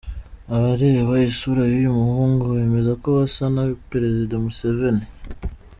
Abareba isura y’ uyu muhungu bemeza ko asa na Perezida Museveni.